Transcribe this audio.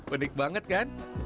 unik banget kan